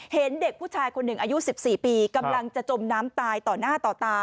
เห็นเด็กผู้ชายคนหนึ่งอายุ๑๔ปีกำลังจะจมน้ำตายต่อหน้าต่อตา